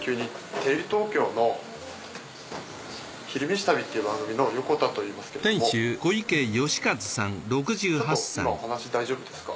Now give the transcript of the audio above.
テレビ東京の「昼めし旅」という番組の横田と言いますけれどもちょっと今お話大丈夫ですか？